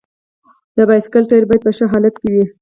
د بایسکل ټایر باید په ښه حالت کې وي.